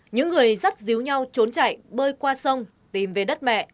những người rất díu nhau trốn chạy bơi qua sông tìm về đất mẹ